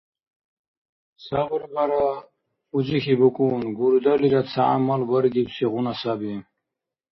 Сабур бара, узихьи букӀун, гурдали ца гӀямал баргибсигъуна саби.